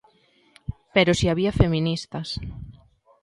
Pero si había feministas.